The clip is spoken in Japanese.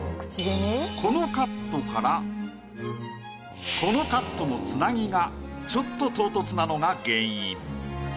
このカットからこのカットのつなぎがちょっと唐突なのが原因。